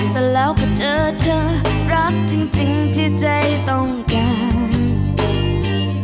แต่แล้วก็เจอเธอรักจริงที่ใจต้องการ